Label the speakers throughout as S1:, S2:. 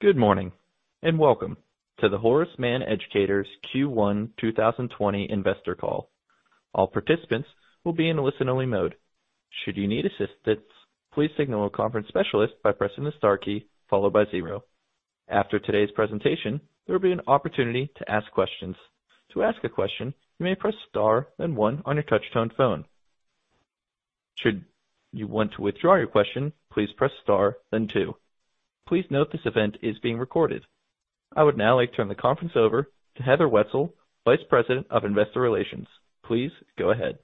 S1: Good morning, and welcome to the Horace Mann Educators Q1 2020 investor call. All participants will be in listen only mode. Should you need assistance, please signal a conference specialist by pressing the star key followed by zero. After today's presentation, there will be an opportunity to ask questions. To ask a question, you may press star, then one on your touch tone phone. Should you want to withdraw your question, please press star, then two. Please note this event is being recorded. I would now like to turn the conference over to Heather Wietzel, Vice President of Investor Relations. Please go ahead.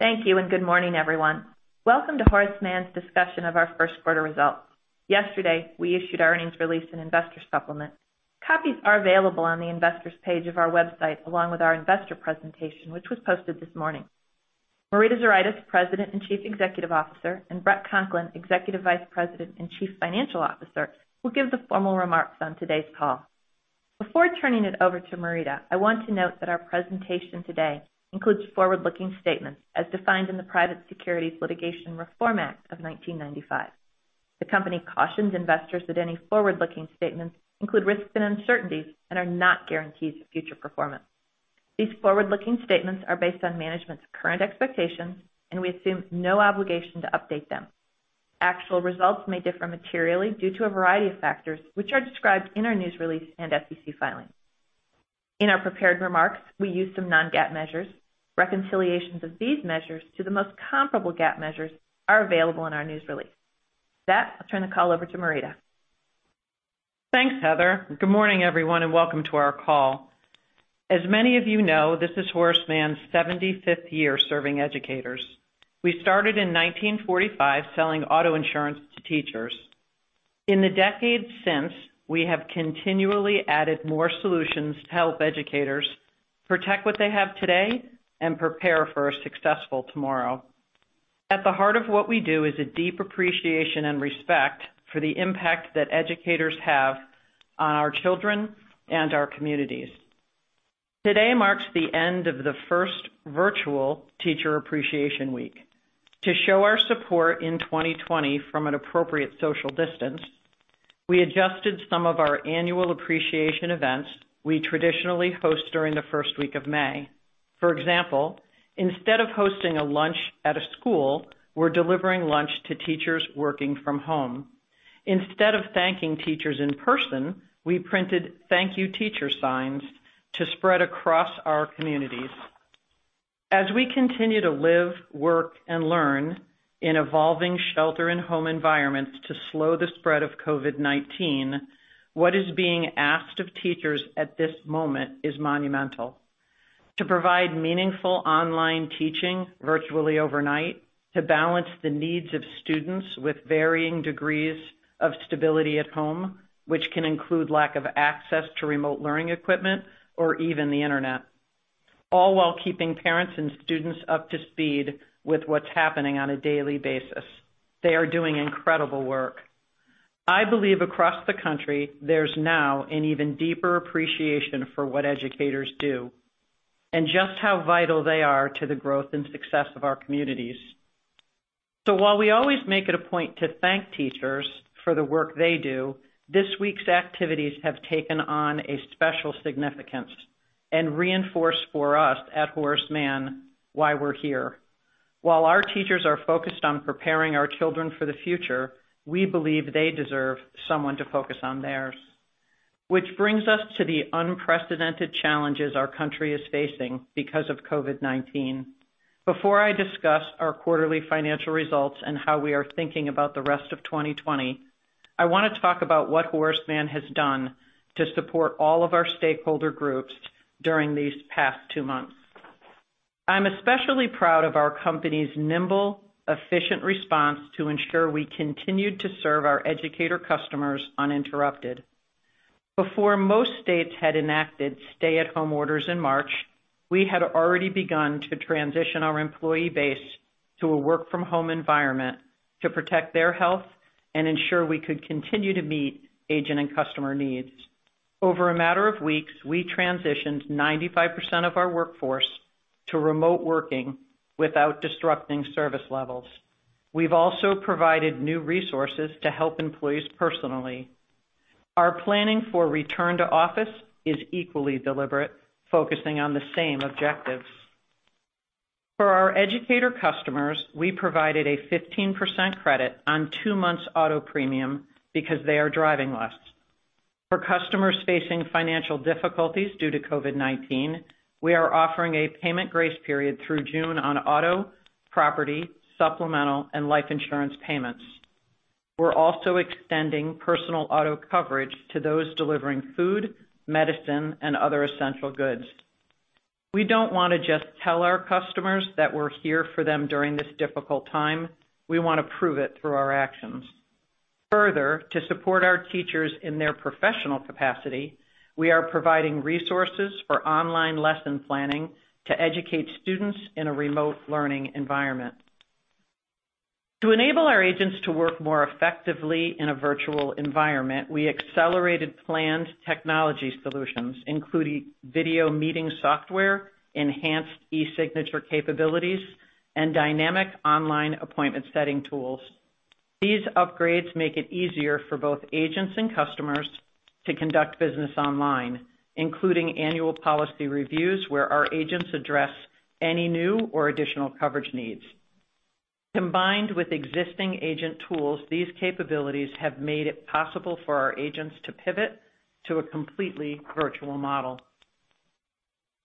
S2: Thank you. Good morning, everyone. Welcome to Horace Mann's discussion of our first quarter results. Yesterday, we issued our earnings release and investor supplement. Copies are available on the investors page of our website, along with our investor presentation, which was posted this morning. Marita Zuraitis, President and Chief Executive Officer, and Bret Conklin, Executive Vice President and Chief Financial Officer, will give the formal remarks on today's call. Before turning it over to Marita, I want to note that our presentation today includes forward-looking statements as defined in the Private Securities Litigation Reform Act of 1995. The company cautions investors that any forward-looking statements include risks and uncertainties and are not guarantees of future performance. These forward-looking statements are based on management's current expectations. We assume no obligation to update them. Actual results may differ materially due to a variety of factors, which are described in our news release and SEC filings. In our prepared remarks, we use some non-GAAP measures. Reconciliations of these measures to the most comparable GAAP measures are available in our news release. With that, I'll turn the call over to Marita.
S3: Thanks, Heather. Good morning, everyone. Welcome to our call. As many of you know, this is Horace Mann's 75th year serving educators. We started in 1945 selling auto insurance to teachers. In the decades since, we have continually added more solutions to help educators protect what they have today and prepare for a successful tomorrow. At the heart of what we do is a deep appreciation and respect for the impact that educators have on our children and our communities. Today marks the end of the first virtual Teacher Appreciation Week. To show our support in 2020 from an appropriate social distance, we adjusted some of our annual appreciation events we traditionally host during the first week of May. For example, instead of hosting a lunch at a school, we're delivering lunch to teachers working from home. Instead of thanking teachers in person, we printed thank you teacher signs to spread across our communities. As we continue to live, work, and learn in evolving shelter-in-home environments to slow the spread of COVID-19, what is being asked of teachers at this moment is monumental. To provide meaningful online teaching virtually overnight, to balance the needs of students with varying degrees of stability at home, which can include lack of access to remote learning equipment or even the Internet, all while keeping parents and students up to speed with what's happening on a daily basis. They are doing incredible work. I believe across the country, there's now an even deeper appreciation for what educators do and just how vital they are to the growth and success of our communities. While we always make it a point to thank teachers for the work they do, this week's activities have taken on a special significance and reinforce for us at Horace Mann why we're here. While our teachers are focused on preparing our children for the future, we believe they deserve someone to focus on theirs. Which brings us to the unprecedented challenges our country is facing because of COVID-19. Before I discuss our quarterly financial results and how we are thinking about the rest of 2020, I want to talk about what Horace Mann has done to support all of our stakeholder groups during these past two months. I'm especially proud of our company's nimble, efficient response to ensure we continued to serve our educator customers uninterrupted. Before most states had enacted stay-at-home orders in March, we had already begun to transition our employee base to a work from home environment to protect their health and ensure we could continue to meet agent and customer needs. Over a matter of weeks, we transitioned 95% of our workforce to remote working without disrupting service levels. We've also provided new resources to help employees personally. Our planning for return to office is equally deliberate, focusing on the same objectives. For our educator customers, we provided a 15% credit on two months auto premium because they are driving less. For customers facing financial difficulties due to COVID-19, we are offering a payment grace period through June on auto, property, supplemental, and life insurance payments. We're also extending personal auto coverage to those delivering food, medicine, and other essential goods. We don't want to just tell our customers that we're here for them during this difficult time. We want to prove it through our actions. Further, to support our teachers in their professional capacity, we are providing resources for online lesson planning to educate students in a remote learning environment. To enable our agents to work more effectively in a virtual environment, we accelerated planned technology solutions, including video meeting software, enhanced e-signature capabilities, and dynamic online appointment setting tools. These upgrades make it easier for both agents and customers to conduct business online, including annual policy reviews, where our agents address any new or additional coverage needs. Combined with existing agent tools, these capabilities have made it possible for our agents to pivot to a completely virtual model.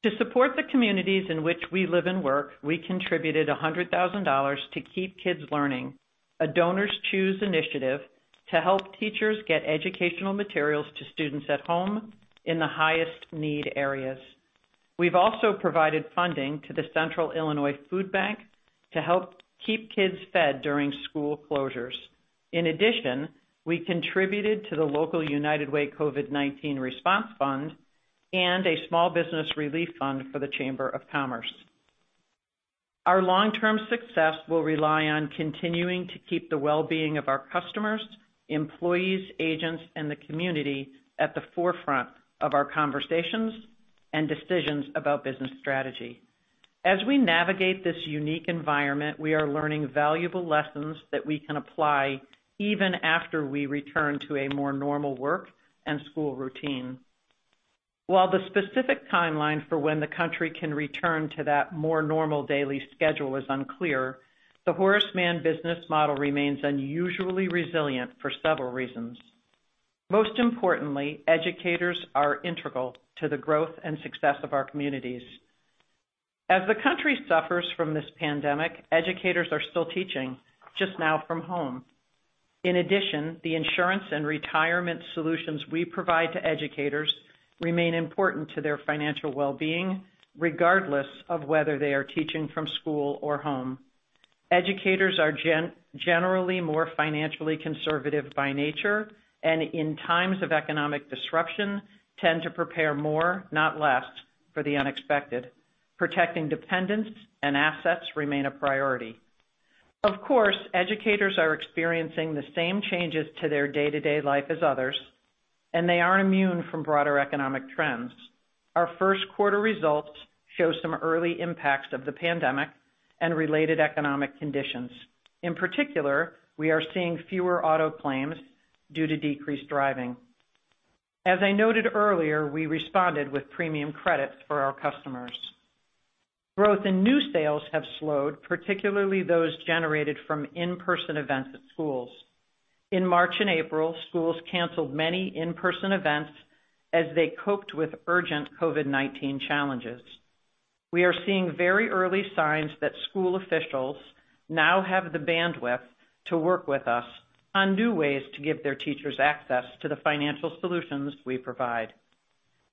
S3: To support the communities in which we live and work, we contributed $100,000 to Keep Kids Learning, a DonorsChoose initiative to help teachers get educational materials to students at home in the highest need areas. We've also provided funding to the Central Illinois Foodbank to help keep kids fed during school closures. In addition, we contributed to the local United Way COVID-19 Response Fund and a small business relief fund for the Chamber of Commerce. Our long-term success will rely on continuing to keep the well-being of our customers, employees, agents, and the community at the forefront of our conversations and decisions about business strategy. As we navigate this unique environment, we are learning valuable lessons that we can apply even after we return to a more normal work and school routine. While the specific timeline for when the country can return to that more normal daily schedule is unclear, the Horace Mann business model remains unusually resilient for several reasons. Most importantly, educators are integral to the growth and success of our communities. As the country suffers from this pandemic, educators are still teaching, just now from home. In addition, the insurance and retirement solutions we provide to educators remain important to their financial well-being, regardless of whether they are teaching from school or home. Educators are generally more financially conservative by nature, and in times of economic disruption, tend to prepare more, not less, for the unexpected. Protecting dependents and assets remain a priority. Of course, educators are experiencing the same changes to their day-to-day life as others, and they aren't immune from broader economic trends. Our first quarter results show some early impacts of the pandemic and related economic conditions. In particular, we are seeing fewer auto claims due to decreased driving. As I noted earlier, we responded with premium credits for our customers. Growth in new sales have slowed, particularly those generated from in-person events at schools. In March and April, schools canceled many in-person events as they coped with urgent COVID-19 challenges. We are seeing very early signs that school officials now have the bandwidth to work with us on new ways to give their teachers access to the financial solutions we provide.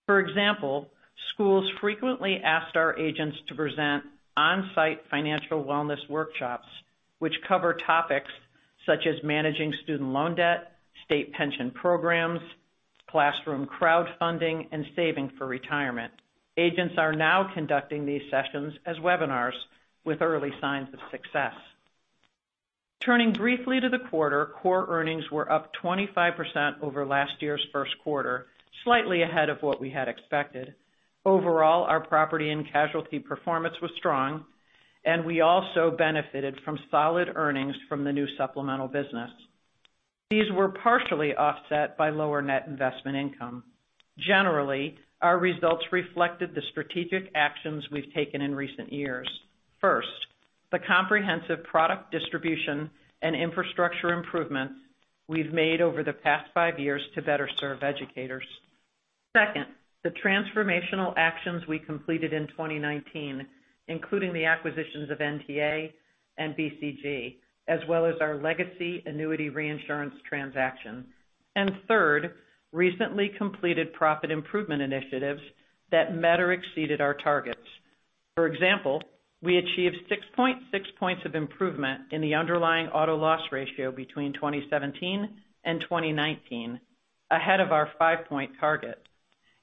S3: For example, schools frequently asked our agents to present on-site financial wellness workshops, which cover topics such as managing student loan debt, state pension programs, classroom crowdfunding, and saving for retirement. Agents are now conducting these sessions as webinars with early signs of success. Turning briefly to the quarter, core earnings were up 25% over last year's first quarter, slightly ahead of what we had expected. Overall, our property and casualty performance was strong, and we also benefited from solid earnings from the new supplemental business. These were partially offset by lower net investment income. Generally, our results reflected the strategic actions we've taken in recent years. First, the comprehensive product distribution and infrastructure improvements we've made over the past five years to better serve educators. Second, the transformational actions we completed in 2019, including the acquisitions of NTA and BCG, as well as our legacy annuity reinsurance transaction. Third, recently completed profit improvement initiatives that met or exceeded our targets. For example, we achieved 6.6 points of improvement in the underlying auto loss ratio between 2017 and 2019, ahead of our five-point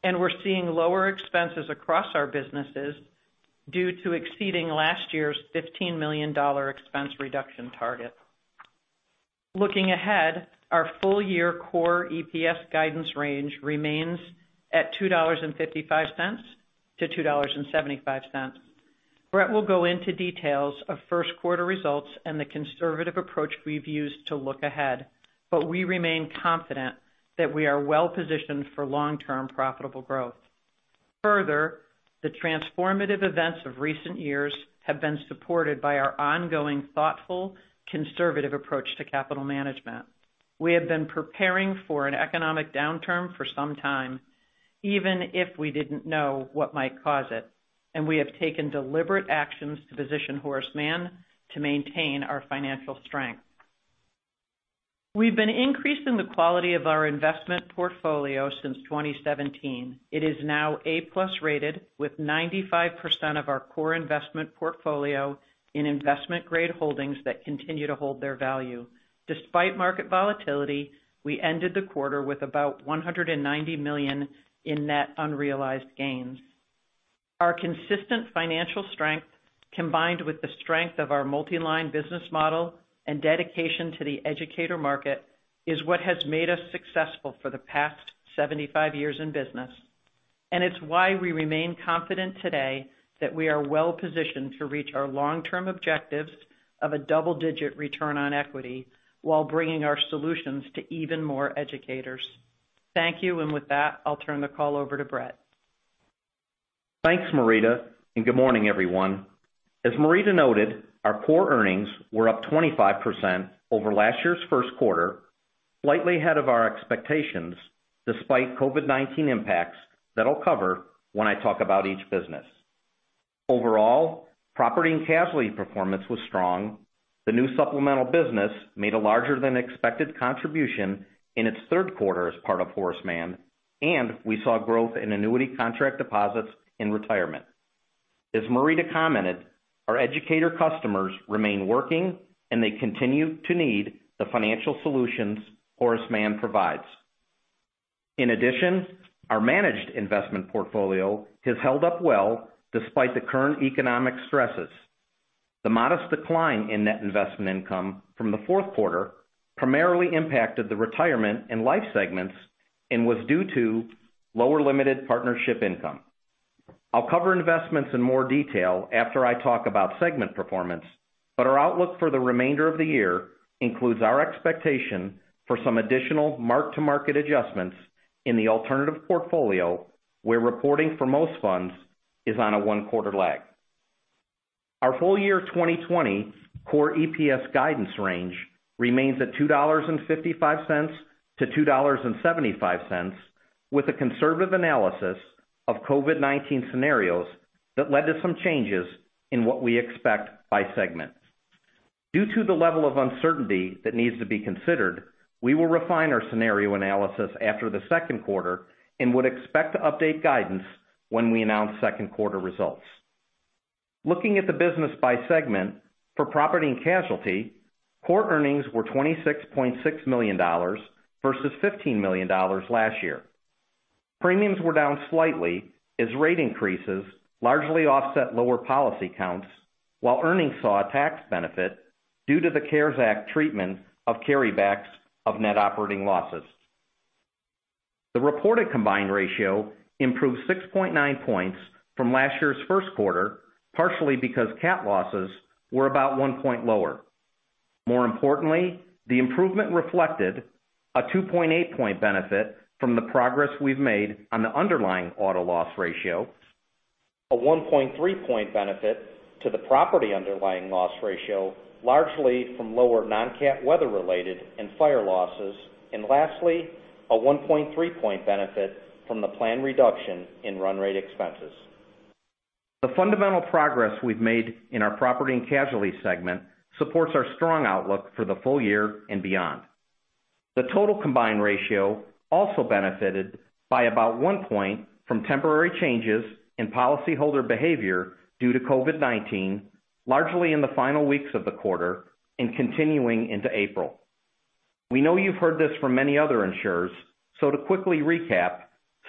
S3: target. We're seeing lower expenses across our businesses due to exceeding last year's $15 million expense reduction target. Looking ahead, our full year core EPS guidance range remains at $2.55-$2.75. Bret will go into details of first quarter results and the conservative approach we've used to look ahead, but we remain confident that we are well-positioned for long-term profitable growth. Further, the transformative events of recent years have been supported by our ongoing, thoughtful, conservative approach to capital management. We have been preparing for an economic downturn for some time, even if we didn't know what might cause it, and we have taken deliberate actions to position Horace Mann to maintain our financial strength. We've been increasing the quality of our investment portfolio since 2017. It is now A+ rated, with 95% of our core investment portfolio in investment-grade holdings that continue to hold their value. Despite market volatility, we ended the quarter with about $190 million in net unrealized gains. Our consistent financial strength, combined with the strength of our multi-line business model and dedication to the educator market, is what has made us successful for the past 75 years in business. It's why we remain confident today that we are well-positioned to reach our long-term objectives of a double-digit return on equity while bringing our solutions to even more educators. Thank you. With that, I'll turn the call over to Bret.
S4: Thanks, Marita, and good morning, everyone. As Marita noted, our core earnings were up 25% over last year's first quarter, slightly ahead of our expectations, despite COVID-19 impacts that I'll cover when I talk about each business. Overall, Property and Casualty performance was strong. The new supplemental business made a larger than expected contribution in its third quarter as part of Horace Mann, and we saw growth in annuity contract deposits in retirement. As Marita commented, our educator customers remain working, and they continue to need the financial solutions Horace Mann provides. In addition, our managed investment portfolio has held up well despite the current economic stresses. The modest decline in net investment income from the fourth quarter primarily impacted the retirement and life segments and was due to lower limited partnership income. I'll cover investments in more detail after I talk about segment performance. Our outlook for the remainder of the year includes our expectation for some additional mark-to-market adjustments in the alternative portfolio where reporting for most funds is on a one-quarter lag. Our full year 2020 core EPS guidance range remains at $2.55-$2.75, with a conservative analysis of COVID-19 scenarios that led to some changes in what we expect by segment. Due to the level of uncertainty that needs to be considered, we will refine our scenario analysis after the second quarter and would expect to update guidance when we announce second quarter results. Looking at the business by segment for Property and Casualty, core earnings were $26.6 million versus $15 million last year. Premiums were down slightly as rate increases largely offset lower policy counts, while earnings saw a tax benefit due to the CARES Act treatment of carrybacks of net operating losses. The reported combined ratio improved 6.9 points from last year's first quarter, partially because cat losses were about one point lower. More importantly, the improvement reflected a 2.8 point benefit from the progress we've made on the underlying auto loss ratio, a 1.3 point benefit to the property underlying loss ratio, largely from lower non-cat weather related and fire losses, and lastly, a 1.3 point benefit from the planned reduction in run rate expenses. The fundamental progress we've made in our property and casualty segment supports our strong outlook for the full year and beyond. The total combined ratio also benefited by about one point from temporary changes in policyholder behavior due to COVID-19, largely in the final weeks of the quarter and continuing into April. We know you've heard this from many other insurers, to quickly recap,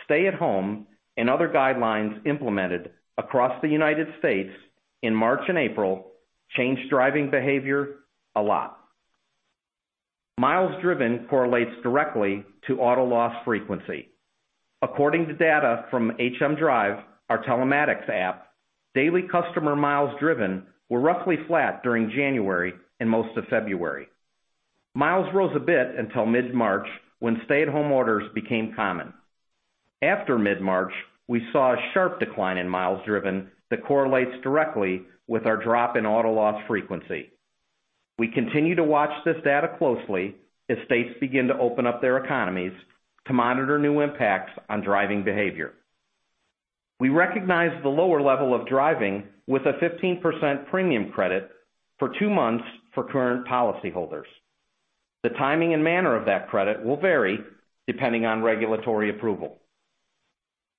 S4: stay at home and other guidelines implemented across the United States in March and April changed driving behavior a lot. Miles driven correlates directly to auto loss frequency. According to data from HM Drive, our telematics app, daily customer miles driven were roughly flat during January and most of February. Miles rose a bit until mid-March when stay at home orders became common. After mid-March, we saw a sharp decline in miles driven that correlates directly with our drop in auto loss frequency. We continue to watch this data closely as states begin to open up their economies to monitor new impacts on driving behavior. We recognize the lower level of driving with a 15% premium credit for two months for current policyholders. The timing and manner of that credit will vary depending on regulatory approval.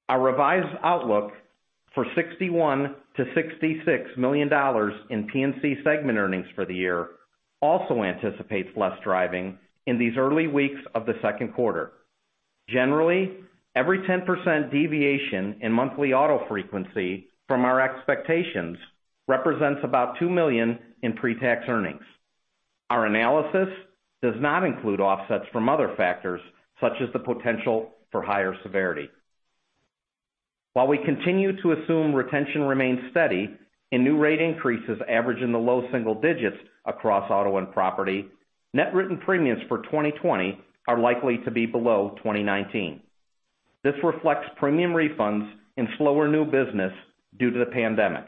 S4: Our revised outlook for $61 million to $66 million in P&C segment earnings for the year also anticipates less driving in these early weeks of the second quarter. Generally, every 10% deviation in monthly auto frequency from our expectations represents about $2 million in pre-tax earnings. Our analysis does not include offsets from other factors, such as the potential for higher severity. While we continue to assume retention remains steady and new rate increases average in the low single digits across auto and property, net written premiums for 2020 are likely to be below 2019. This reflects premium refunds and slower new business due to the pandemic.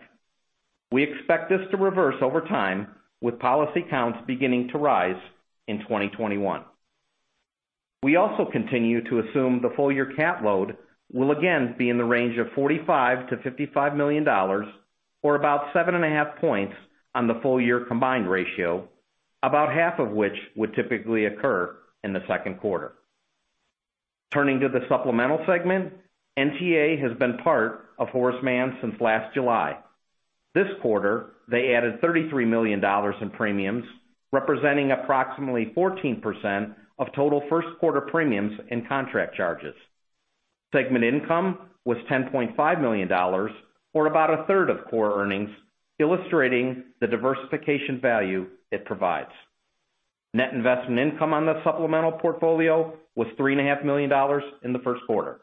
S4: We expect this to reverse over time, with policy counts beginning to rise in 2021. We also continue to assume the full year cat load will again be in the range of $45 million to $55 million, or about seven and a half points on the full year combined ratio, about half of which would typically occur in the second quarter. Turning to the supplemental segment, NTA has been part of Horace Mann since last July. This quarter, they added $33 million in premiums, representing approximately 14% of total first quarter premiums and contract charges. Segment income was $10.5 million, or about a third of core earnings, illustrating the diversification value it provides. Net investment income on the supplemental portfolio was $3.5 million in the first quarter.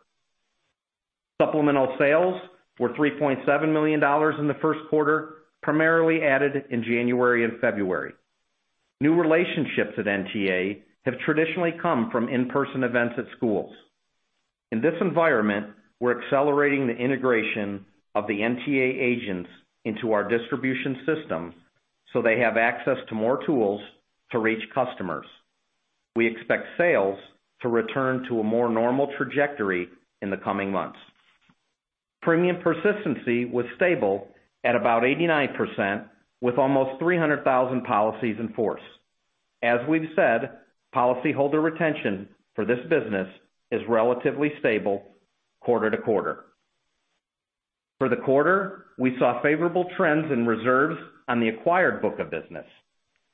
S4: Supplemental sales were $3.7 million in the first quarter, primarily added in January and February. New relationships at NTA have traditionally come from in-person events at schools. In this environment, we're accelerating the integration of the NTA agents into our distribution system so they have access to more tools to reach customers. We expect sales to return to a more normal trajectory in the coming months. Premium persistency was stable at about 89%, with almost 300,000 policies in force. As we've said, policyholder retention for this business is relatively stable quarter-to-quarter. For the quarter, we saw favorable trends in reserves on the acquired book of business.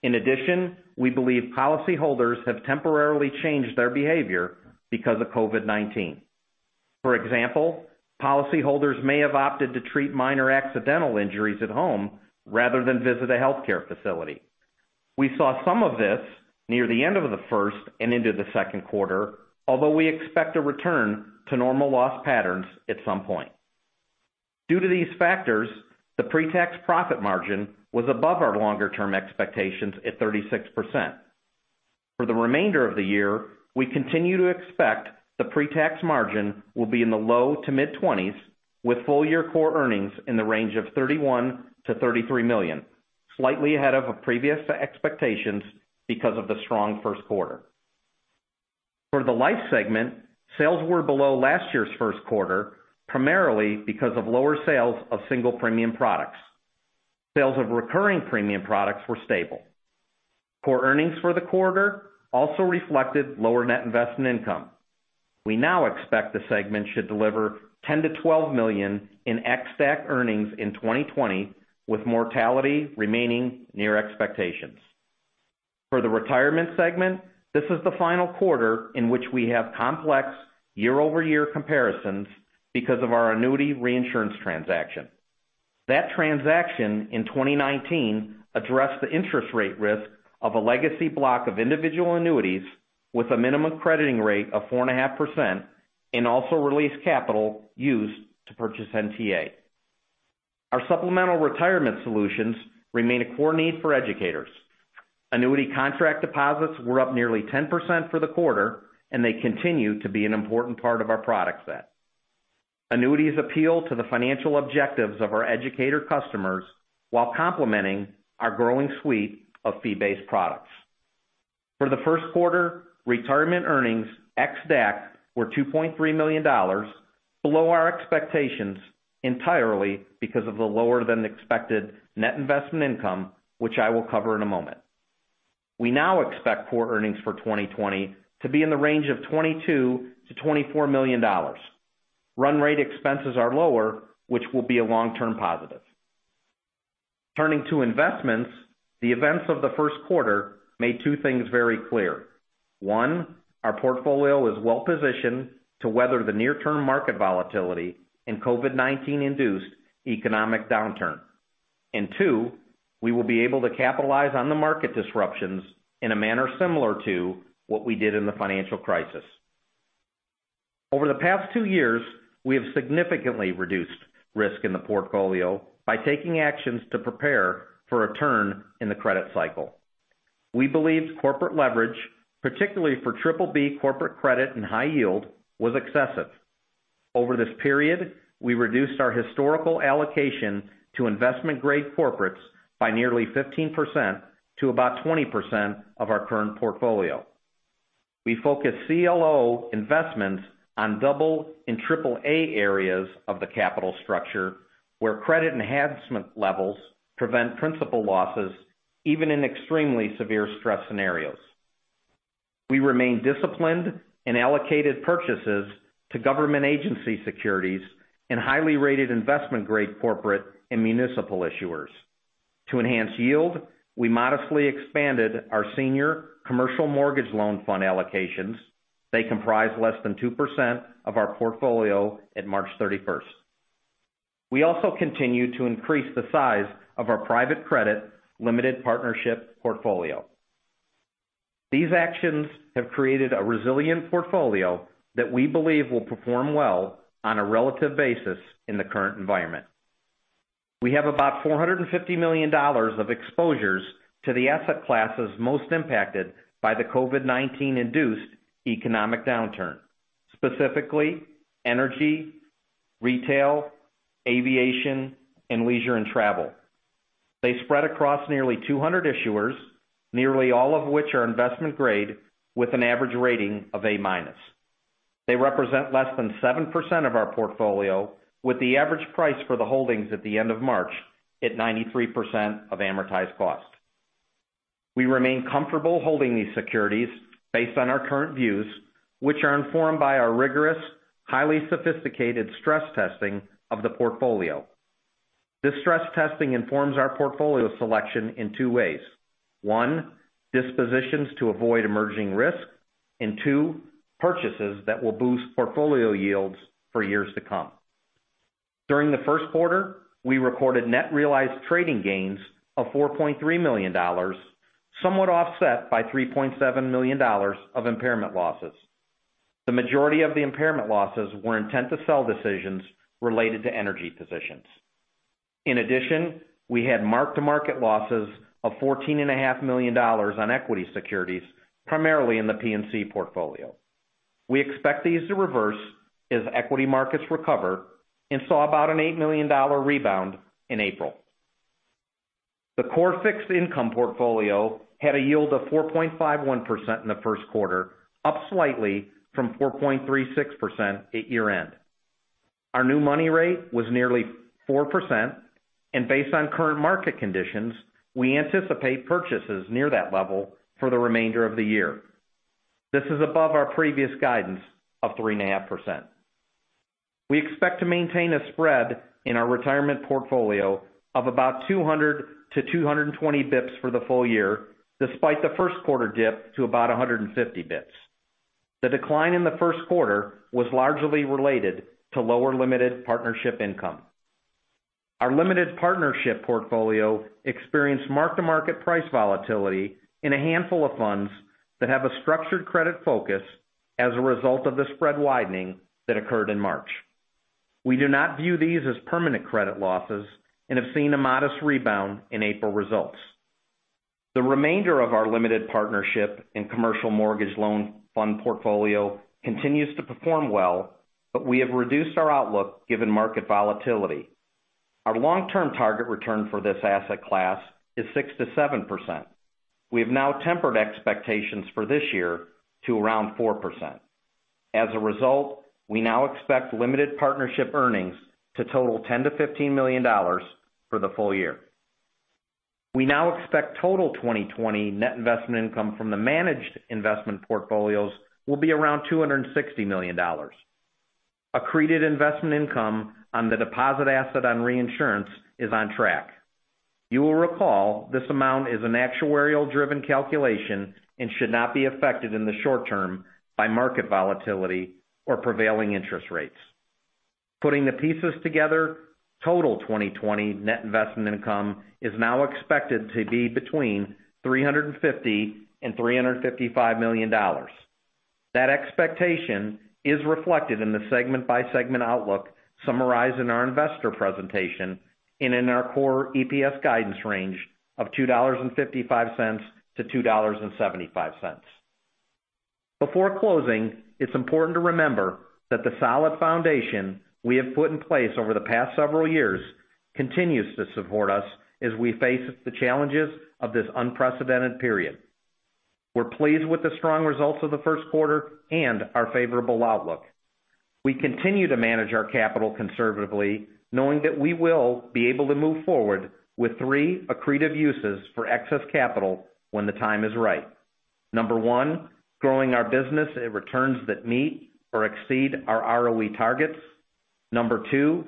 S4: In addition, we believe policyholders have temporarily changed their behavior because of COVID-19. For example, policyholders may have opted to treat minor accidental injuries at home rather than visit a healthcare facility. We saw some of this near the end of the first and into the second quarter, although we expect a return to normal loss patterns at some point. Due to these factors, the pre-tax profit margin was above our longer-term expectations at 36%. For the remainder of the year, we continue to expect the pre-tax margin will be in the low to mid-20s, with full-year core earnings in the range of $31 million-$33 million, slightly ahead of previous expectations because of the strong first quarter. For the life segment, sales were below last year's first quarter, primarily because of lower sales of single premium products. Sales of recurring premium products were stable. Core earnings for the quarter also reflected lower net investment income. We now expect the segment should deliver $10 million-$12 million in ex DAC earnings in 2020, with mortality remaining near expectations. For the retirement segment, this is the final quarter in which we have complex year-over-year comparisons because of our annuity reinsurance transaction. That transaction in 2019 addressed the interest rate risk of a legacy block of individual annuities with a minimum crediting rate of 4.5% and also released capital used to purchase NTA. Our supplemental retirement solutions remain a core need for educators. Annuity contract deposits were up nearly 10% for the quarter, and they continue to be an important part of our product set. Annuities appeal to the financial objectives of our educator customers while complementing our growing suite of fee-based products. For the first quarter, retirement earnings ex DAC were $2.3 million, below our expectations entirely because of the lower than expected net investment income, which I will cover in a moment. We now expect core earnings for 2020 to be in the range of $22 million-$24 million. Run rate expenses are lower, which will be a long-term positive. Turning to investments, the events of the first quarter made two things very clear. One, our portfolio is well-positioned to weather the near-term market volatility and COVID-19-induced economic downturn. Two, we will be able to capitalize on the market disruptions in a manner similar to what we did in the financial crisis. Over the past two years, we have significantly reduced risk in the portfolio by taking actions to prepare for a turn in the credit cycle. We believed corporate leverage, particularly for BBB corporate credit and high yield, was excessive. Over this period, we reduced our historical allocation to investment-grade corporates by nearly 15%-20% of our current portfolio. We focused CLO investments on double and AAA areas of the capital structure where credit enhancement levels prevent principal losses, even in extremely severe stress scenarios. We remain disciplined and allocated purchases to government agency securities and highly rated investment-grade corporate and municipal issuers. To enhance yield, we modestly expanded our senior commercial mortgage loan fund allocations. They comprise less than 2% of our portfolio at March 31st. We also continue to increase the size of our private credit limited partnership portfolio. These actions have created a resilient portfolio that we believe will perform well on a relative basis in the current environment. We have about $450 million of exposures to the asset classes most impacted by the COVID-19-induced economic downturn, specifically energy, retail, aviation, and leisure and travel. They spread across nearly 200 issuers, nearly all of which are investment grade with an average rating of A minus. They represent less than 7% of our portfolio with the average price for the holdings at the end of March at 93% of amortized cost. We remain comfortable holding these securities based on our current views, which are informed by our rigorous, highly sophisticated stress testing of the portfolio. This stress testing informs our portfolio selection in two ways: One, dispositions to avoid emerging risk. Two, purchases that will boost portfolio yields for years to come. During the first quarter, we recorded net realized trading gains of $4.3 million, somewhat offset by $3.7 million of impairment losses. The majority of the impairment losses were intent to sell decisions related to energy positions. In addition, we had mark-to-market losses of $14.5 million on equity securities, primarily in the P&C portfolio. We expect these to reverse as equity markets recover and saw about an $8 million rebound in April. The core fixed income portfolio had a yield of 4.51% in the first quarter, up slightly from 4.36% at year-end. Our new money rate was nearly 4%. Based on current market conditions, we anticipate purchases near that level for the remainder of the year. This is above our previous guidance of 3.5%. We expect to maintain a spread in our retirement portfolio of about 200 to 220 basis points for the full year, despite the first quarter dip to about 150 basis points. The decline in the first quarter was largely related to lower limited partnership income. Our limited partnership portfolio experienced mark-to-market price volatility in a handful of funds that have a structured credit focus as a result of the spread widening that occurred in March. We do not view these as permanent credit losses and have seen a modest rebound in April results. The remainder of our limited partnership in commercial mortgage loan fund portfolio continues to perform well. We have reduced our outlook given market volatility. Our long-term target return for this asset class is 6%-7%. We have now tempered expectations for this year to around 4%. As a result, we now expect limited partnership earnings to total $10 million-$15 million for the full year. We now expect total 2020 net investment income from the managed investment portfolios will be around $260 million. Accreted investment income on the deposit asset on reinsurance is on track. You will recall this amount is an actuarial-driven calculation and should not be affected in the short term by market volatility or prevailing interest rates. Putting the pieces together, total 2020 net investment income is now expected to be between $350 million-$355 million. That expectation is reflected in the segment by segment outlook summarized in our investor presentation and in our core EPS guidance range of $2.55-$2.75. Before closing, it's important to remember that the solid foundation we have put in place over the past several years continues to support us as we face the challenges of this unprecedented period. We're pleased with the strong results of the first quarter and our favorable outlook. We continue to manage our capital conservatively, knowing that we will be able to move forward with three accretive uses for excess capital when the time is right. Number one, growing our business at returns that meet or exceed our ROE targets. Number two,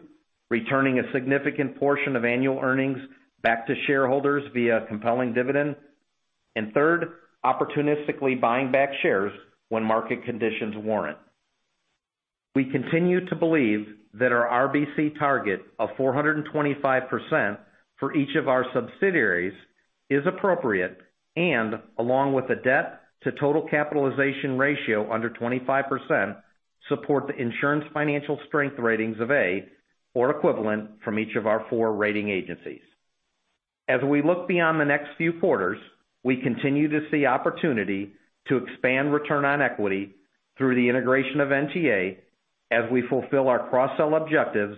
S4: returning a significant portion of annual earnings back to shareholders via compelling dividend. Third, opportunistically buying back shares when market conditions warrant. We continue to believe that our RBC target of 425% for each of our subsidiaries is appropriate along with a debt to total capitalization ratio under 25%, support the insurance financial strength ratings of A or equivalent from each of our four rating agencies. As we look beyond the next few quarters, we continue to see opportunity to expand return on equity through the integration of NTA as we fulfill our cross-sell objectives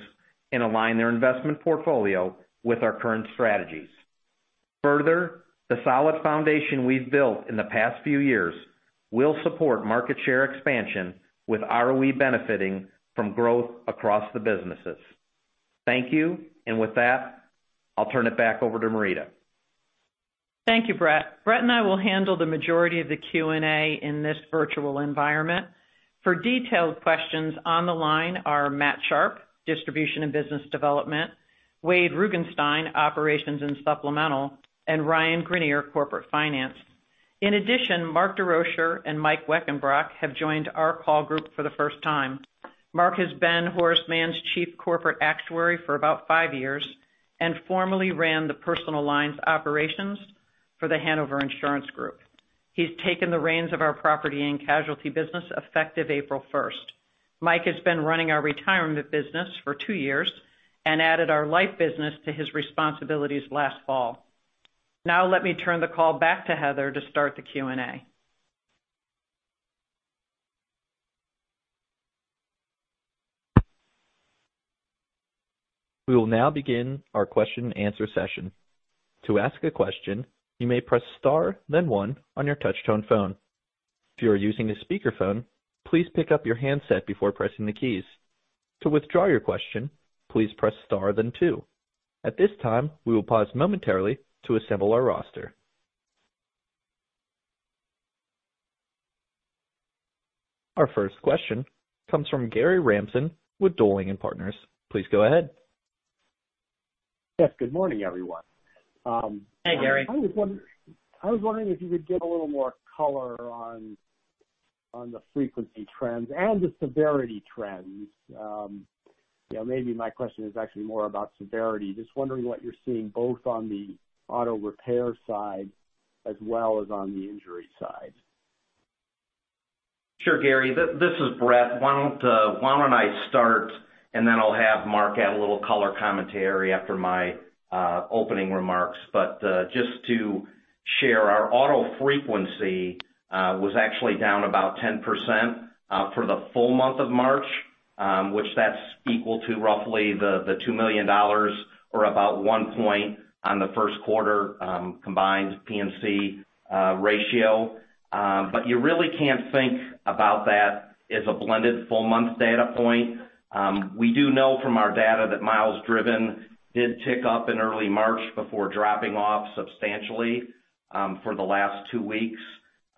S4: and align their investment portfolio with our current strategies. Further, the solid foundation we've built in the past few years will support market share expansion with ROE benefiting from growth across the businesses. Thank you. With that, I'll turn it back over to Marita.
S3: Thank you, Bret. Bret and I will handle the majority of the Q&A in this virtual environment. For detailed questions on the line are Matt Sharp, Distribution and Business Development, Wade Rugenstein, Operations and Supplemental, and Ryan Greenier, Corporate Finance. In addition, Mark Desrochers and Mike Wekenbrock have joined our call group for the first time. Mark has been Horace Mann's Chief Corporate Actuary for about five years and formerly ran the personal lines operations for The Hanover Insurance Group. He's taken the reins of our property and casualty business effective April 1st. Mike has been running our retirement business for two years and added our life business to his responsibilities last fall. Now, let me turn the call back to Heather to start the Q&A.
S1: We will now begin our question and answer session. To ask a question, you may press star then one on your touch tone phone. If you are using a speakerphone, please pick up your handset before pressing the keys. To withdraw your question, please press star then two. At this time, we will pause momentarily to assemble our roster. Our first question comes from Gary Ransom with Dowling & Partners. Please go ahead.
S5: Yes. Good morning, everyone.
S4: Hey, Gary.
S5: I was wondering if you could give a little more color on the frequency trends and the severity trends. Maybe my question is actually more about severity. Just wondering what you're seeing both on the auto repair side as well as on the injury side.
S4: Sure, Gary. This is Bret. Why don't I start, and then I'll have Mark add a little color commentary after my opening remarks. Just to share, our auto frequency was actually down about 10% for the full month of March, which that's equal to roughly the $2 million or about one point on the first quarter combined P&C ratio. You really can't think about that as a blended full month data point. We do know from our data that miles driven did tick up in early March before dropping off substantially for the last two weeks.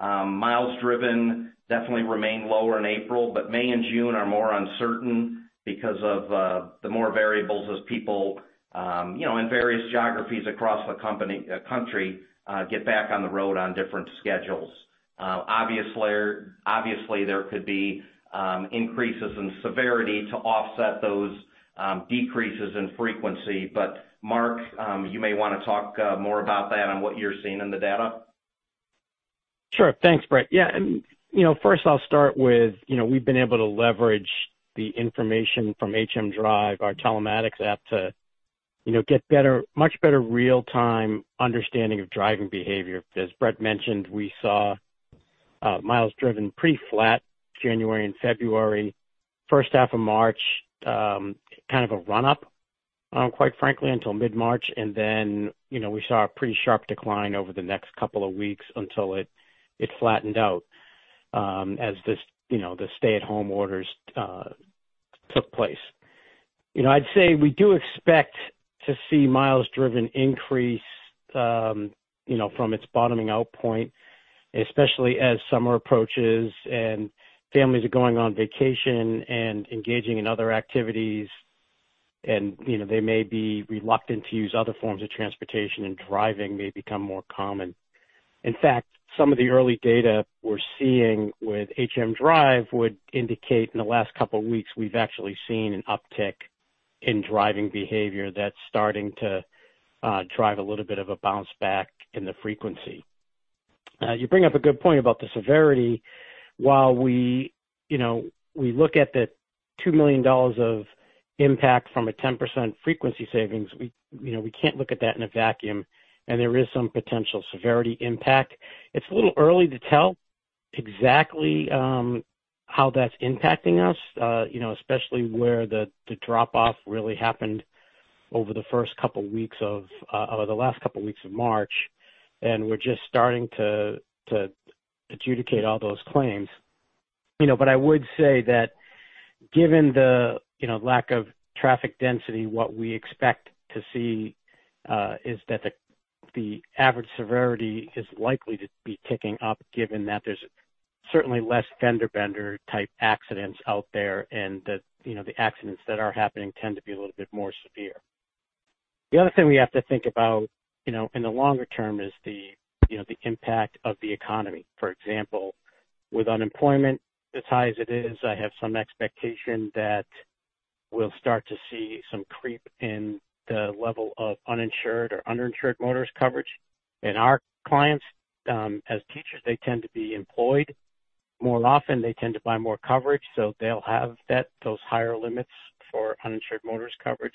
S4: Miles driven definitely remain lower in April, May and June are more uncertain because of the more variables as people in various geographies across the country get back on the road on different schedules. Obviously, there could be increases in severity to offset those decreases in frequency. Mark, you may want to talk more about that and what you're seeing in the data.
S6: Sure. Thanks, Bret. First I'll start with, we've been able to leverage the information from HM Drive, our telematics app, to get much better real-time understanding of driving behavior. As Bret mentioned, we saw miles driven pretty flat January and February. First half of March, kind of a run-up, quite frankly, until mid-March, then we saw a pretty sharp decline over the next couple of weeks until it flattened out as the stay-at-home orders took place. I'd say we do expect to see miles driven increase from its bottoming out point, especially as summer approaches and families are going on vacation and engaging in other activities, they may be reluctant to use other forms of transportation, driving may become more common. In fact, some of the early data we're seeing with HM Drive would indicate in the last couple of weeks, we've actually seen an uptick in driving behavior that's starting to drive a little bit of a bounce back in the frequency. You bring up a good point about the severity. While we look at the $2 million of impact from a 10% frequency savings, we can't look at that in a vacuum, there is some potential severity impact. It's a little early to tell exactly how that's impacting us, especially where the drop-off really happened over the last couple of weeks of March, we're just starting to adjudicate all those claims. I would say that given the lack of traffic density, what we expect to see is that the average severity is likely to be ticking up, given that there's certainly less fender bender type accidents out there, that the accidents that are happening tend to be a little bit more severe. The other thing we have to think about in the longer term is the impact of the economy. For example, with unemployment as high as it is, I have some expectation that we'll start to see some creep in the level of uninsured or underinsured motorist coverage. Our clients, as teachers, they tend to be employed more often. They tend to buy more coverage. They'll have those higher limits for uninsured motorist coverage,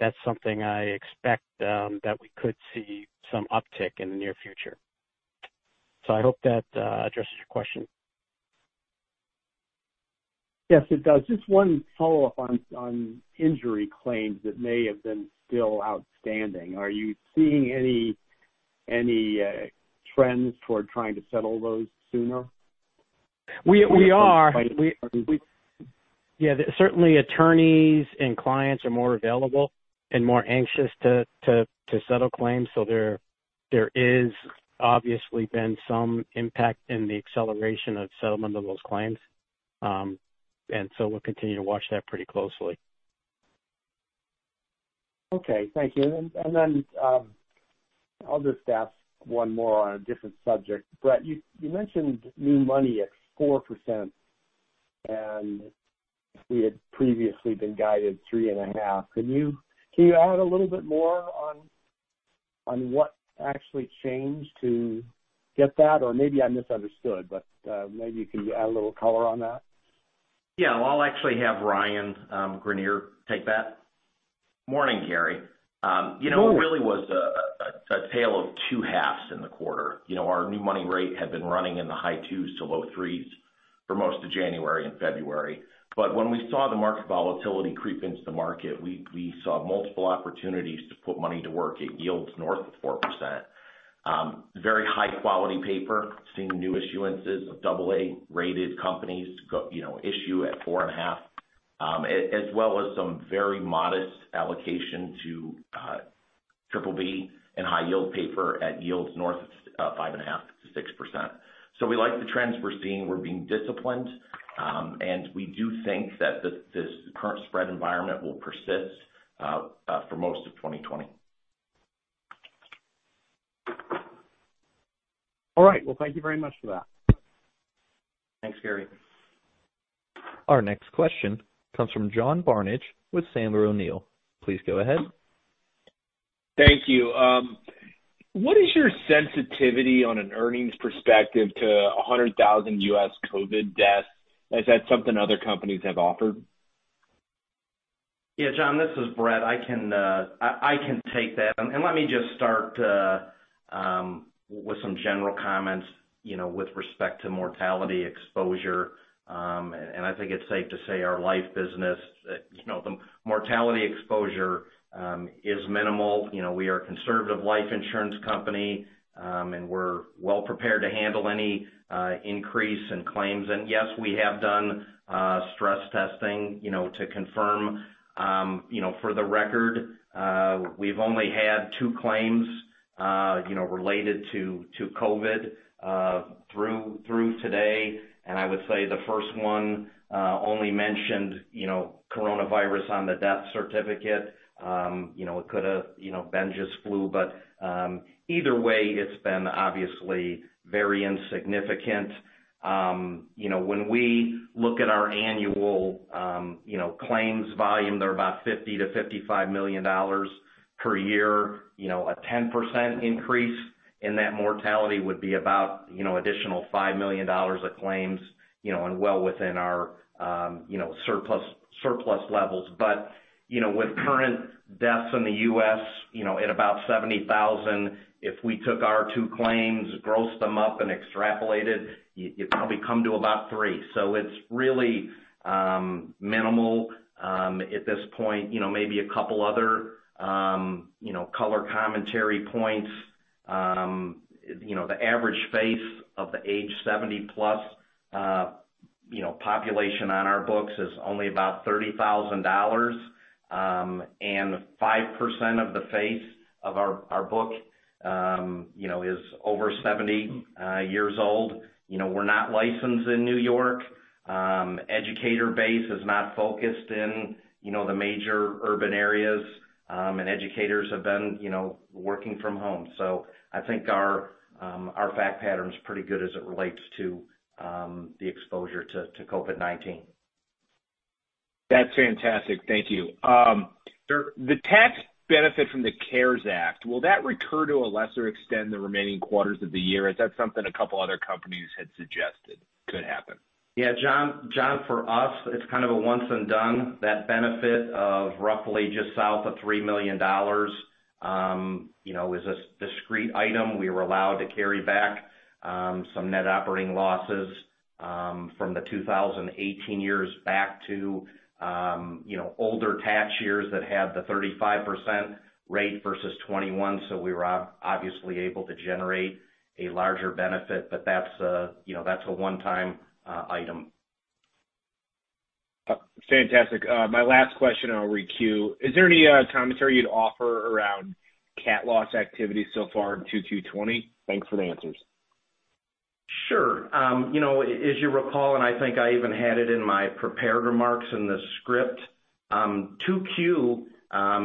S6: that's something I expect that we could see some uptick in the near future. I hope that addresses your question.
S5: Yes, it does. Just one follow-up on injury claims that may have been still outstanding. Are you seeing any trends toward trying to settle those sooner?
S6: We are. Yeah, certainly attorneys and clients are more available and more anxious to settle claims. There is obviously been some impact in the acceleration of settlement of those claims. We'll continue to watch that pretty closely.
S5: Okay. Thank you. I'll just ask one more on a different subject. Bret, you mentioned new money at 4%, and we had previously been guided three and a half. Can you add a little bit more on what actually changed to get that? Maybe I misunderstood, but maybe you can add a little color on that.
S4: Yeah. I'll actually have Ryan Greenier take that.
S7: Morning, Gary.
S5: Morning.
S7: It really was a tale of two halves in the quarter. Our new money rate had been running in the high twos to low threes for most of January and February. When we saw the market volatility creep into the market, we saw multiple opportunities to put money to work at yields north of 4%. Very high-quality paper. Seeing new issuances of double A-rated companies issue at 4.5%, as well as some very modest allocation to Triple B and high yield paper at yields north of 5.5%-6%. We like the trends we're seeing. We're being disciplined, and we do think that this current spread environment will persist for most of 2020.
S5: All right. Well, thank you very much for that.
S7: Thanks, Gary.
S1: Our next question comes from John Barnidge with Sandler O'Neill. Please go ahead.
S8: Thank you. What is your sensitivity on an earnings perspective to 100,000 U.S. COVID deaths? Is that something other companies have offered?
S4: Yeah, John, this is Bret. I can take that. Let me just start with some general comments with respect to mortality exposure. I think it's safe to say our life business, the mortality exposure is minimal. We are a conservative life insurance company, and we're well prepared to handle any increase in claims. Yes, we have done stress testing to confirm. For the record, we've only had two claims related to COVID through today. I would say the first one only mentioned coronavirus on the death certificate. It could have been just flu, but either way, it's been obviously very insignificant. When we look at our annual claims volume, they're about $50 million-$55 million per year. A 10% increase in that mortality would be about additional $5 million of claims, and well within our surplus levels. With current deaths in the U.S. at about 70,000, if we took our two claims, grossed them up and extrapolated, you'd probably come to about three. It's really minimal at this point. Maybe a couple other color commentary points. The average face of the age 70 plus population on our books is only about $30,000, and 5% of the face of our book is over 70 years old. We're not licensed in New York. Educator base is not focused in the major urban areas. Educators have been working from home. I think our fact pattern's pretty good as it relates to the exposure to COVID-19.
S8: That's fantastic. Thank you. The tax benefit from the CARES Act, will that recur to a lesser extent in the remaining quarters of the year? Is that something a couple other companies had suggested could happen?
S4: Yeah, John, for us, it's kind of a once and done. That benefit of roughly just south of $3 million, is a discrete item. We were allowed to carry back some net operating losses from the 2018 years back to older tax years that had the 35% rate versus 21%. We were obviously able to generate a larger benefit. That's a one-time item.
S8: Fantastic. My last question, and I'll re-queue. Is there any commentary you'd offer around cat loss activity so far in 2Q20? Thanks for the answers.
S4: Sure. As you recall, and I think I even had it in my prepared remarks in the script, 2Q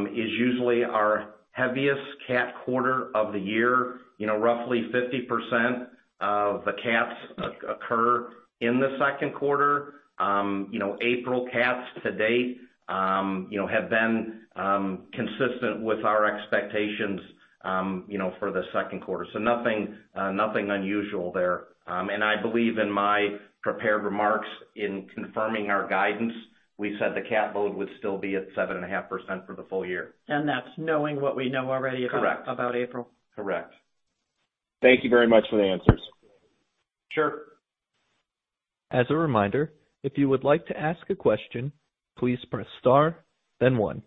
S4: is usually our heaviest cat quarter of the year. Roughly 50% of the cats occur in the second quarter. April cats to date have been consistent with our expectations for the second quarter. Nothing unusual there. I believe in my prepared remarks in confirming our guidance, we said the cat load would still be at 7.5% for the full year.
S3: That's knowing what we know already
S4: Correct
S3: About April.
S4: Correct.
S8: Thank you very much for the answers.
S4: Sure.
S1: As a reminder, if you would like to ask a question, please press star, then one.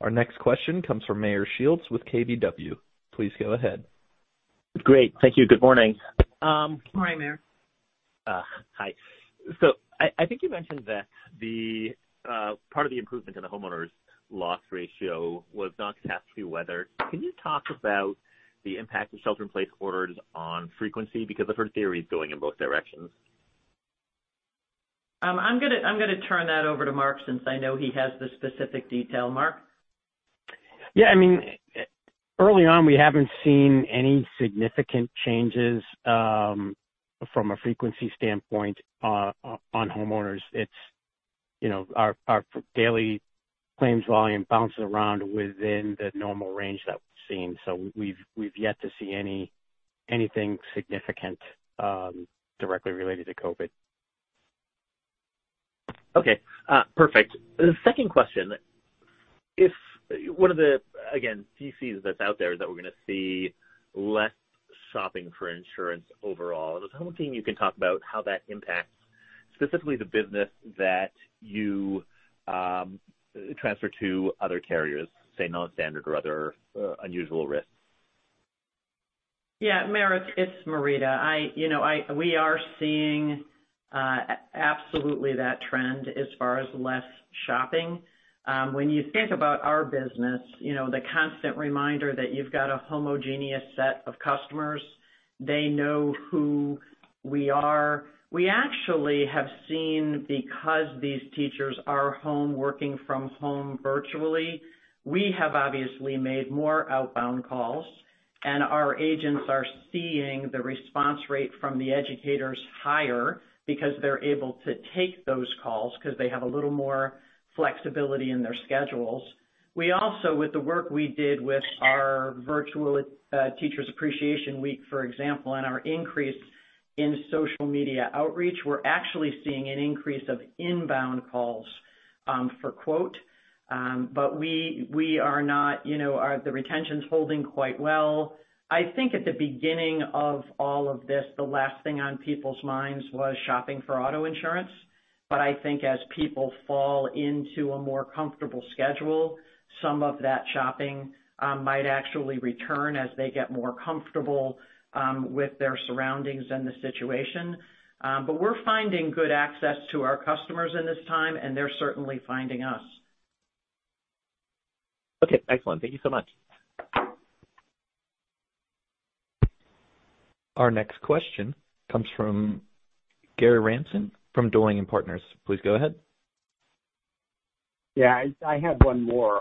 S1: Our next question comes from Meyer Shields with KBW. Please go ahead.
S9: Great. Thank you. Good morning.
S3: Good morning, Meyer.
S9: Hi. I think you mentioned that part of the improvement in the homeowners loss ratio was non-catastrophe weather. Can you talk about the impact of shelter-in-place orders on frequency? Because I've heard theories going in both directions.
S3: I'm going to turn that over to Mark, since I know he has the specific detail. Mark?
S6: Early on, we haven't seen any significant changes from a frequency standpoint on homeowners. Our daily claims volume bounces around within the normal range that we've seen. We've yet to see anything significant directly related to COVID.
S9: Okay, perfect. The second question, one of the, again, theses that's out there is that we're going to see less shopping for insurance overall. I was hoping you can talk about how that impacts specifically the business that you transfer to other carriers, say, non-standard or other unusual risks.
S3: Meyer, it's Marita. We are seeing absolutely that trend as far as less shopping. When you think about our business, the constant reminder that you've got a homogeneous set of customers, they know who we are. We actually have seen, because these teachers are home working from home virtually, we have obviously made more outbound calls, and our agents are seeing the response rate from the educators higher because they're able to take those calls because they have a little more flexibility in their schedules. We also, with the work we did with our virtual Teacher Appreciation Week, for example, and our increase in social media outreach, we're actually seeing an increase of inbound calls for quote. The retention's holding quite well. I think at the beginning of all of this, the last thing on people's minds was shopping for auto insurance. I think as people fall into a more comfortable schedule, some of that shopping might actually return as they get more comfortable with their surroundings and the situation. We're finding good access to our customers in this time, and they're certainly finding us.
S9: Okay, excellent. Thank you so much.
S1: Our next question comes from Gary Ransom from Dowling & Partners. Please go ahead.
S5: Yeah, I had one more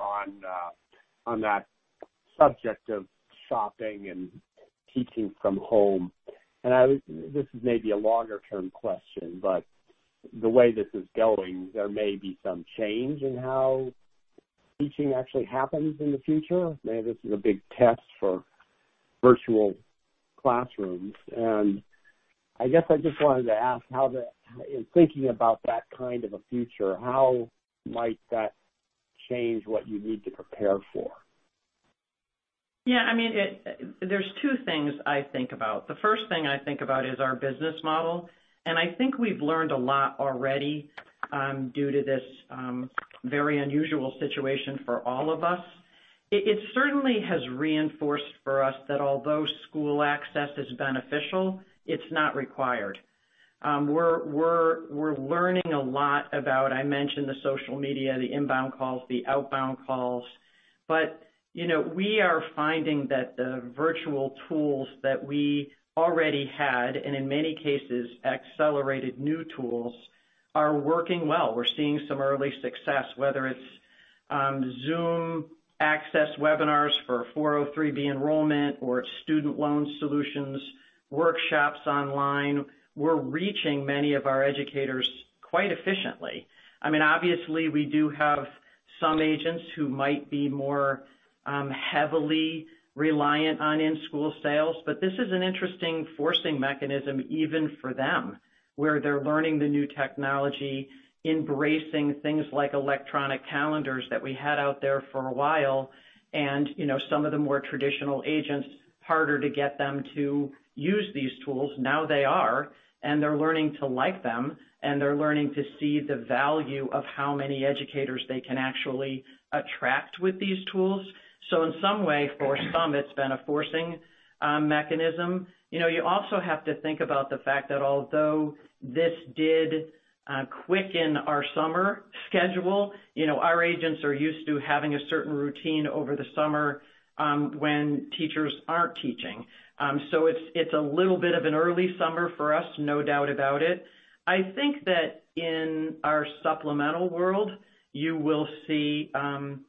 S5: on that subject of shopping and teaching from home. This is maybe a longer-term question, but the way this is going, there may be some change in how teaching actually happens in the future. Maybe this is a big test for virtual classrooms. I guess I just wanted to ask, in thinking about that kind of a future, how might that change what you need to prepare for?
S3: Yeah, there's two things I think about. The first thing I think about is our business model, and I think we've learned a lot already due to this very unusual situation for all of us. It certainly has reinforced for us that although school access is beneficial, it's not required. We're learning a lot about, I mentioned the social media, the inbound calls, the outbound calls, but we are finding that the virtual tools that we already had, and in many cases accelerated new tools, are working well. We're seeing some early success, whether it's Zoom access webinars for 403(b) enrollment or Student Loan Solutions workshops online. We're reaching many of our educators quite efficiently. Obviously, we do have some agents who might be more heavily reliant on in-school sales, but this is an interesting forcing mechanism even for them. Where they're learning the new technology, embracing things like electronic calendars that we had out there for a while, and some of the more traditional agents, harder to get them to use these tools. Now they are, and they're learning to like them, and they're learning to see the value of how many educators they can actually attract with these tools. In some way, for some, it's been a forcing mechanism. You also have to think about the fact that although this did quicken our summer schedule, our agents are used to having a certain routine over the summer, when teachers aren't teaching. It's a little bit of an early summer for us, no doubt about it. I think that in our supplemental world, you will see some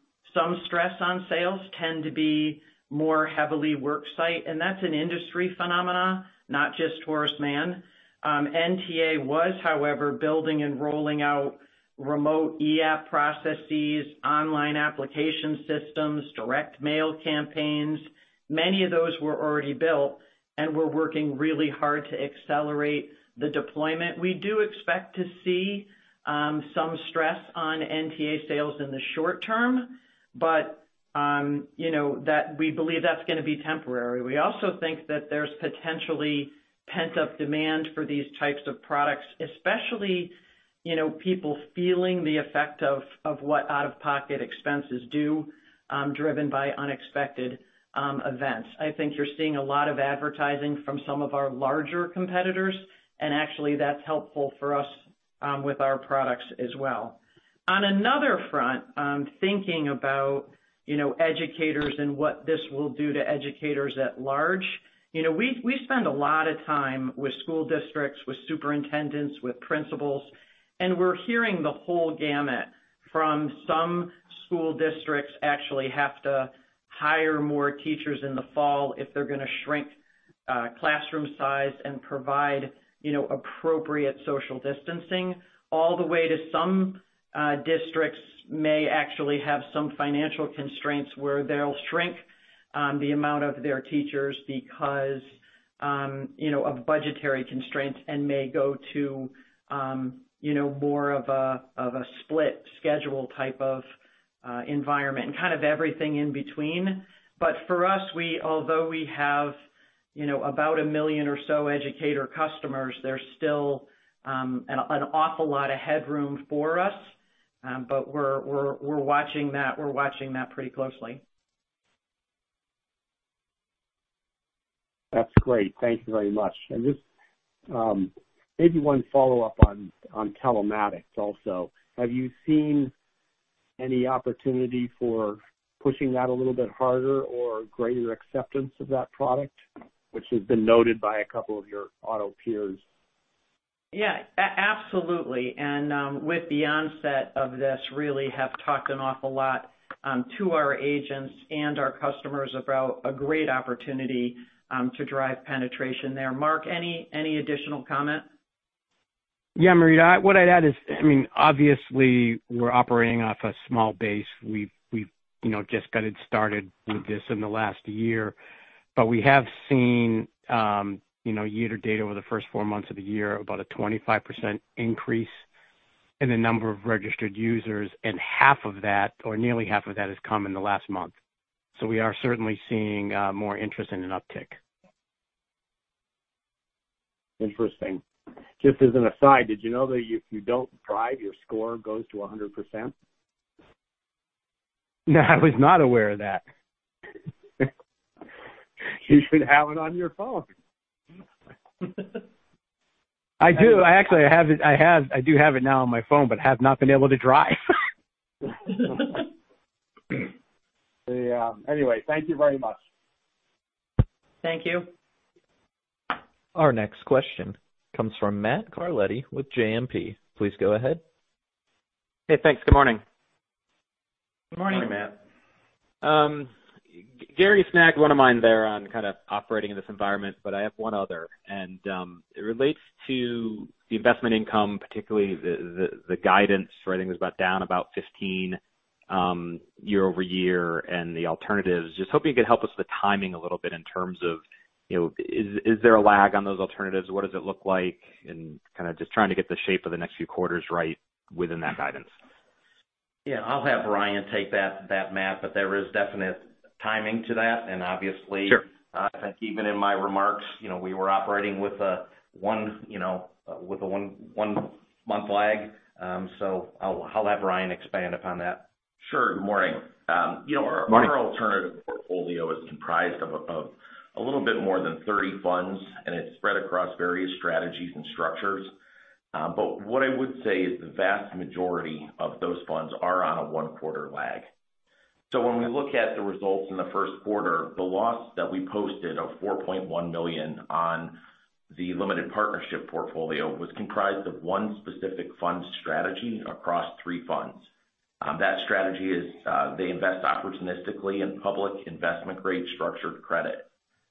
S3: stress on sales tend to be more heavily worksite. That's an industry phenomena, not just Horace Mann. NTA was, however, building and rolling out remote e-app processes, online application systems, direct mail campaigns. Many of those were already built and we're working really hard to accelerate the deployment. We do expect to see some stress on NTA sales in the short term, but we believe that's going to be temporary. We also think that there's potentially pent-up demand for these types of products, especially people feeling the effect of what out-of-pocket expenses do, driven by unexpected events. I think you're seeing a lot of advertising from some of our larger competitors, and actually that's helpful for us with our products as well. On another front, thinking about educators and what this will do to educators at large. We spend a lot of time with school districts, with superintendents, with principals. We're hearing the whole gamut from some school districts actually have to hire more teachers in the fall if they're going to shrink classroom size and provide appropriate social distancing, all the way to some districts may actually have some financial constraints where they'll shrink the amount of their teachers because of budgetary constraints and may go to more of a split schedule type of environment and kind of everything in between. For us, although we have about a million or so educator customers, there's still an awful lot of headroom for us. We're watching that pretty closely.
S5: That's great. Thank you very much. Just maybe one follow-up on telematics also. Have you seen any opportunity for pushing that a little bit harder or greater acceptance of that product, which has been noted by a couple of your auto peers?
S3: Yeah, absolutely. With the onset of this, really have talked an awful lot to our agents and our customers about a great opportunity to drive penetration there. Mark, any additional comment?
S6: Yeah, Marita. What I'd add is, obviously we're operating off a small base. We've just gotten started with this in the last year. We have seen year-to-date, over the first four months of the year, about a 25% increase in the number of registered users, and half of that, or nearly half of that, has come in the last month. We are certainly seeing more interest and an uptick.
S5: Interesting. Just as an aside, did you know that if you don't drive, your score goes to 100%?
S6: No, I was not aware of that.
S5: You should have it on your phone.
S6: I do. I actually do have it now on my phone, but have not been able to drive.
S5: Anyway, thank you very much.
S6: Thank you.
S1: Our next question comes from Matt Carletti with JMP. Please go ahead.
S10: Hey, thanks. Good morning.
S4: Good morning.
S3: Morning, Matt.
S10: Gary snagged one of mine there on kind of operating in this environment, I have one other, and it relates to the investment income, particularly the guidance where I think it was down about 15 year-over-year, and the alternatives. Just hoping you could help us with timing a little bit in terms of, is there a lag on those alternatives? What does it look like? And kind of just trying to get the shape of the next few quarters right within that guidance.
S4: Yeah, I'll have Ryan take that, Matt. There is definite timing to that.
S10: Sure
S4: Even in my remarks, we were operating with a one month lag. I'll have Ryan expand upon that.
S7: Sure. Good morning.
S10: Morning.
S7: Our alternative portfolio is comprised of a little bit more than 30 funds, and it's spread across various strategies and structures. What I would say is the vast majority of those funds are on a one-quarter lag. When we look at the results in the first quarter, the loss that we posted of $4.1 million on the limited partnership portfolio was comprised of one specific fund strategy across three funds. That strategy is they invest opportunistically in public investment-grade structured credit.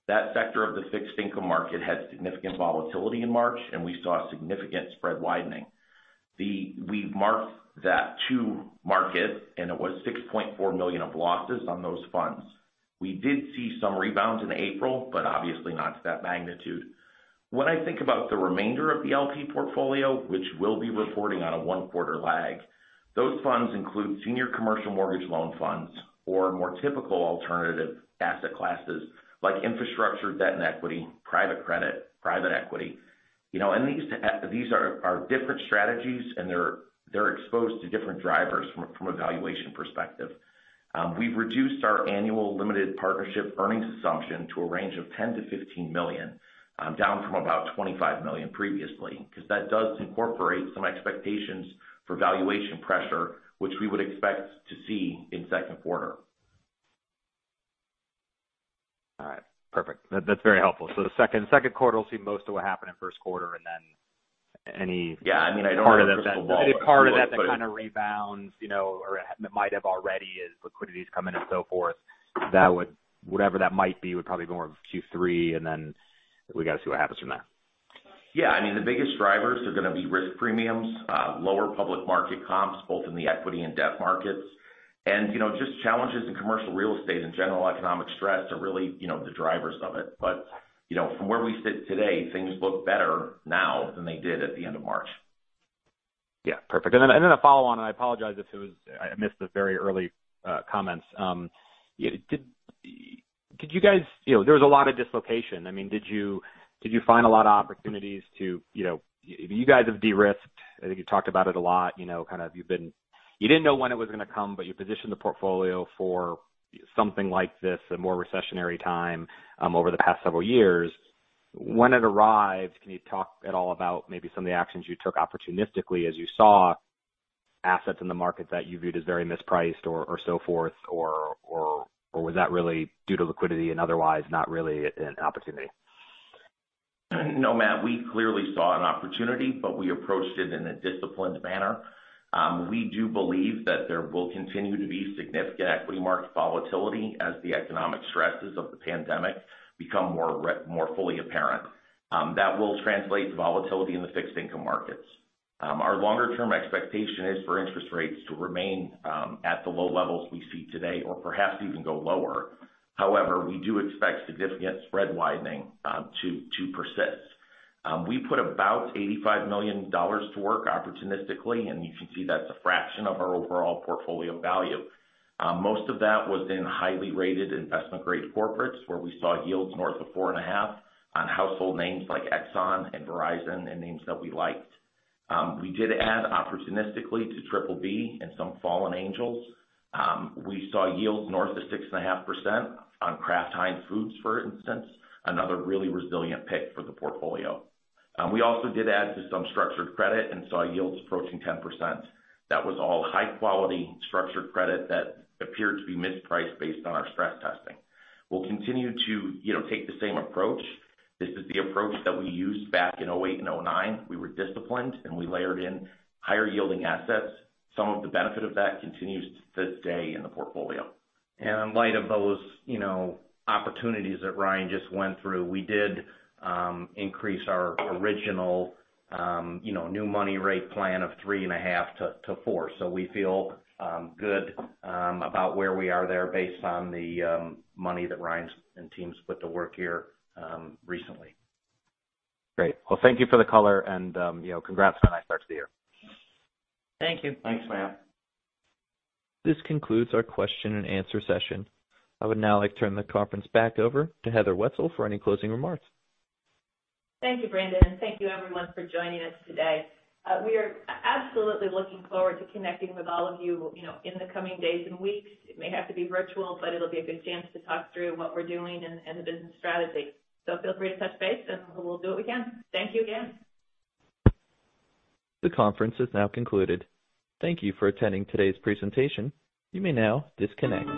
S7: That sector of the fixed income market had significant volatility in March, and we saw significant spread widening. We marked that to market, and it was $6.4 million of losses on those funds. We did see some rebounds in April, but obviously not to that magnitude. When I think about the remainder of the LP portfolio, which we'll be reporting on a one-quarter lag, those funds include senior commercial mortgage loan funds or more typical alternative asset classes like infrastructure, debt, and equity, private credit, private equity. These are different strategies, and they're exposed to different drivers from a valuation perspective. We've reduced our annual limited partnership earnings assumption to a range of $10 million-$15 million, down from about $25 million previously, because that does incorporate some expectations for valuation pressure, which we would expect to see in second quarter.
S10: All right, perfect. That's very helpful. The second quarter will see most of what happened in first quarter and then any-
S7: Yeah, I mean, I don't know the crystal ball.
S10: part of that kind of rebounds or might have already as liquidity's come in and so forth. Whatever that might be would probably be more Q3. We got to see what happens from there.
S7: Yeah. I mean, the biggest drivers are going to be risk premiums, lower public market comps both in the equity and debt markets. Just challenges in commercial real estate and general economic stress are really the drivers of it. From where we sit today, things look better now than they did at the end of March.
S10: Yeah, perfect. A follow-on, I apologize if I missed the very early comments. There was a lot of dislocation. Did you find a lot of opportunities? You guys have de-risked. I think you talked about it a lot. You didn't know when it was going to come, you positioned the portfolio for something like this, a more recessionary time over the past several years. When it arrived, can you talk at all about maybe some of the actions you took opportunistically as you saw assets in the market that you viewed as very mispriced or so forth? Or was that really due to liquidity and otherwise not really an opportunity?
S7: No, Matt, we clearly saw an opportunity, we approached it in a disciplined manner. We do believe that there will continue to be significant equity market volatility as the economic stresses of the pandemic become more fully apparent. That will translate to volatility in the fixed income markets. Our longer-term expectation is for interest rates to remain at the low levels we see today or perhaps even go lower. However, we do expect significant spread widening to persist. We put about $85 million to work opportunistically, and you can see that's a fraction of our overall portfolio value. Most of that was in highly rated investment-grade corporates where we saw yields north of 4.5% on household names like Exxon and Verizon and names that we liked. We did add opportunistically to BBB and some fallen angels. We saw yields north of 6.5% on Kraft Heinz foods, for instance, another really resilient pick for the portfolio. We also did add to some structured credit and saw yields approaching 10%. That was all high-quality structured credit that appeared to be mispriced based on our stress testing. We will continue to take the same approach. This is the approach that we used back in 2008 and 2009. We were disciplined, we layered in higher yielding assets. Some of the benefit of that continues to this day in the portfolio.
S4: In light of those opportunities that Ryan just went through, we did increase our original new money rate plan of 3.5% to 4%. We feel good about where we are there based on the money that Ryan's and teams put to work here recently.
S10: Great. Well, thank you for the color, congrats on a nice start to the year.
S4: Thank you. Thanks, Matt.
S1: This concludes our question and answer session. I would now like to turn the conference back over to Heather Wietzel for any closing remarks.
S2: Thank you, Brandon. Thank you everyone for joining us today. We are absolutely looking forward to connecting with all of you in the coming days and weeks. It may have to be virtual, but it'll be a good chance to talk through what we're doing and the business strategy. Feel free to touch base, and we'll do it again. Thank you again.
S1: The conference is now concluded. Thank you for attending today's presentation. You may now disconnect.